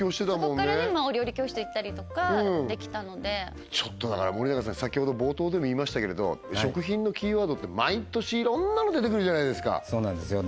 そこからお料理教室行ったりとかやってきたのでだから森永さん先ほど冒頭でも言いましたけれど食品のキーワードって毎年いろんなの出てくるじゃないですかそうなんですよね